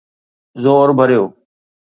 زور ڀريو،